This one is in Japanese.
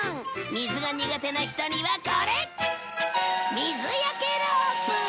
水が苦手な人にはこれ！